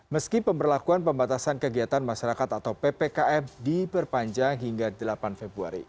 meski pemberlakuan pembatasan kegiatan masyarakat atau ppkm diperpanjang hingga delapan februari